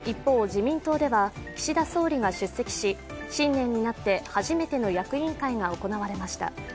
一方、自民党では岸田総理が出席し新年になって初めての役員会が行われました。